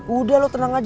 udah lo tenang aja